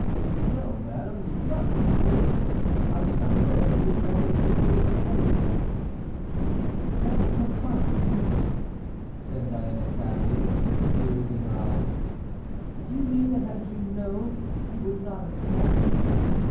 "No, madame, not by force; I did not know that he was going to take me to see any one." "That is a harsh speech," said Diana, sadly, and with tears in her eyes. "Do you mean that had you known, you would not have come?"